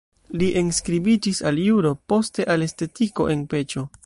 Li enskribiĝis al juro, poste al estetiko en Peĉo.